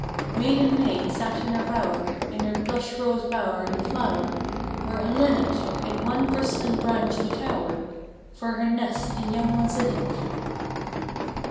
Maiden May sat in her bower, In her blush rose bower in flower, Where a linnet Made one bristling branch the tower For her nest and young ones in it.